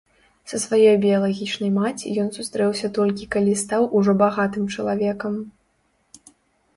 Са сваёй біялагічнай маці ён сустрэўся толькі калі стаў ужо багатым чалавекам.